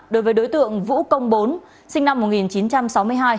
đối với đối tượng vũ công bốn sinh năm một nghìn chín trăm sáu mươi hai